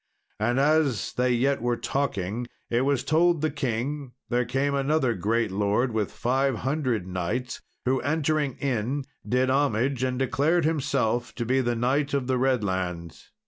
And as they yet were talking, it was told the king there came another great lord with five hundred knights, who, entering in, did homage, and declared himself to be the Knight of the Redlands.